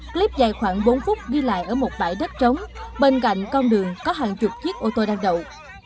clip dài khoảng bốn phút ghi lại ở một bãi đất trống bên cạnh con đường có hàng chục chiếc ô tô đang đậu